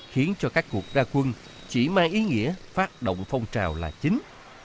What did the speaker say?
khiến cho các cuộc ra quân chỉ mang ý nghĩa phát động phong trào là chính